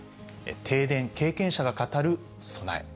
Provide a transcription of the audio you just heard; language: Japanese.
停電経験者が語る備え。